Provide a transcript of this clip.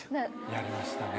やりましたね。